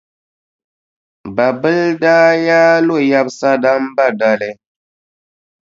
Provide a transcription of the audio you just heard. Babila daa yaa lo yɛbisa Damba dali.